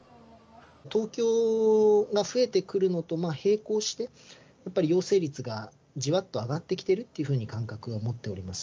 東京が増えてくるのと並行して、やっぱり陽性率がじわっと上がってきているというふうな感覚は持っております。